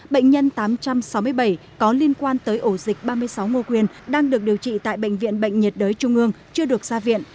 bệnh nhân tám trăm sáu mươi bảy có liên quan tới ổ dịch ba mươi sáu ngô quyền đang được điều trị tại bệnh viện bệnh nhiệt đới trung ương chưa được ra viện